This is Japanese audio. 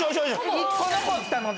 １個残ったので。